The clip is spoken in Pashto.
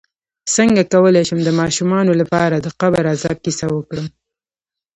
څنګه کولی شم د ماشومانو لپاره د قبر عذاب کیسه وکړم